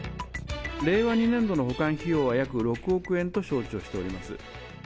令和２年度の保管費用は約６億円と承知をしております。